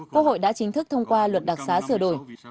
quốc hội đã chính thức thông qua luật đặc xá sửa đổi